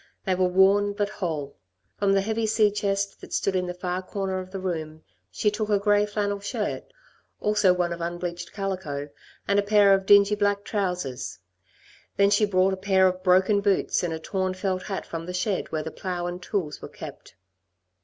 They were worn, but whole. From the heavy sea chest that stood in the far corner of the room she took a grey flannel shirt, also one of unbleached calico, and a pair of dingy black trousers; then she brought a pair of broken boots and a torn felt hat from the shed where the plough and tools were kept.